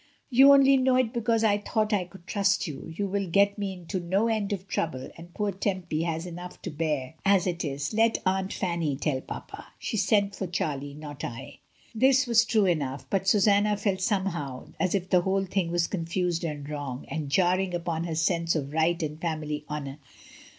"You only know it because I thought I could trust you. You will get me into no end of trouble, and poor Tempy has enough to bear as it 2^ MRS. DYMOND. is. Let Aunt Fanny tell papa. She sent for Charlie, not L" This was true enough, but Susanna felt some how as if the whole thing was confused and wrong, and jarring upon her sense of right and family honmir.